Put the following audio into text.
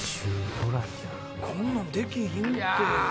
こんなんできひんって。